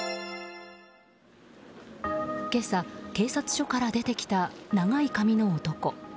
今朝、警察署から出てきた長い髪の男。